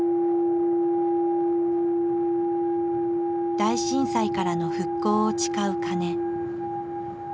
大震災からの復興を誓う鐘。